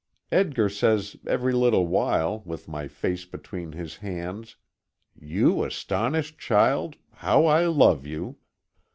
Edgar says every little while, with my face between his hands: "You astonished child, how I love you!"